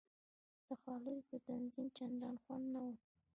د خالص د تنظیم چندان خوند نه وو.